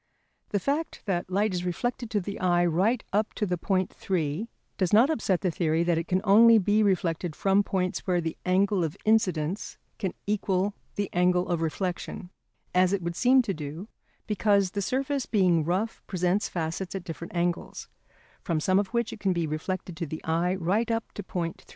The fact that light is reflected to the eye right up to the point 3 does not upset the theory that it can only be reflected from points where the angle of incidence can equal the angle of reflection, as it would seem to do, because the surface being rough presents facets at different angles, from some of which it can be reflected to the eye right up to point 3.